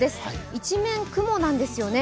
一面、雲なんですよね。